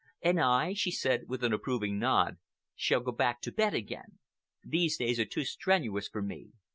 "And I," she said, with an approving nod, "shall go back to bed again. These days are too strenuous for me.